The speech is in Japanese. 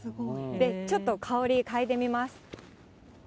ちょっと香り、嗅いでみます。